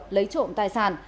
lấy trộm tài sản